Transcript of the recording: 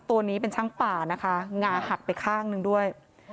ตัวนี้เป็นช้างป่านะคะงาหักไปข้างหนึ่งด้วย